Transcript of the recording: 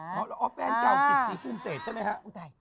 อ๋อแฟนเก่ากิจสีภูมิเศษใช่ไหมฮะ